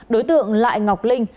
đối tượng lại ngọc linh